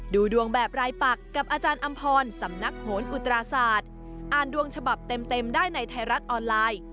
ดูดวงแบบรายปักกับอาจารย์อำพรสำนักโหนอุตราศาสตร์อ่านดวงฉบับเต็มได้ในไทยรัฐออนไลน์